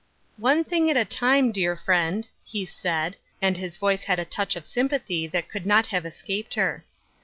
" One thing at a time, dear friend," he said, and his voice had a touch of sympathy that could not have escaped her.